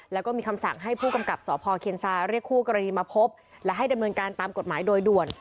แล้วก็มีคำสั่งให้ผู้กำกับสพเคียนซาเรียกคู่กรณีมาพบและให้ดำเนินการตามกฎหมายโดยด่วน